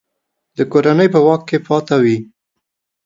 د کورنۍ په واک کې پاته وي.